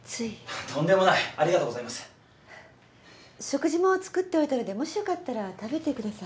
食事も作っておいたのでもしよかったら食べてください。